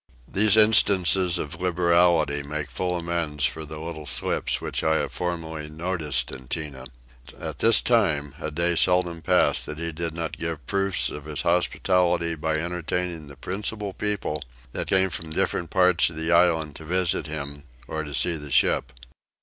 These instances of liberality make full amends for the little slips which I have formerly noticed in Tinah. At this time a day seldom passed that he did not give proofs of his hospitality by entertaining the principal people that came from different parts of the island to visit him, or to see the ship.